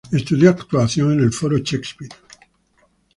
Estudio actuación en el Foro Shakespeare.